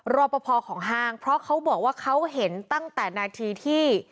รอปภของห้างเพราะเขาบอกว่าเขาเห็นตั้งแต่นาทีที่